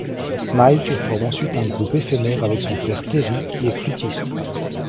Mike forme ensuite un groupe éphémère avec son frère Terry qui est flûtiste.